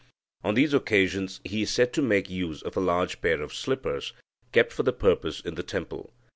On these occasions he is said to make use of a large pair of slippers kept for the purpose in the temple.